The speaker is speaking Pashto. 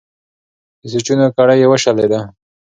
د سوچونو کړۍ یې وشلېده.